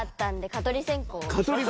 蚊取り線香！